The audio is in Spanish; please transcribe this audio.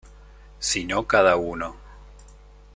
Si no cada uno.